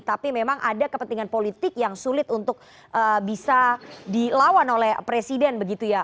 tapi memang ada kepentingan politik yang sulit untuk bisa dilawan oleh presiden begitu ya